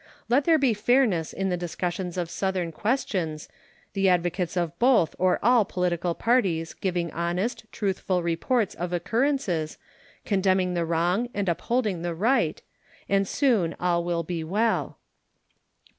Let there be fairness in the discussion of Southern questions, the advocates of both or all political parties giving honest, truthful reports of occurrences, condemning the wrong and upholding the right, and soon all will be well.